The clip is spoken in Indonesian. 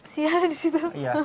siapa di situ